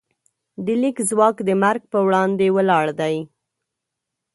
د لیک ځواک د مرګ پر وړاندې ولاړ دی.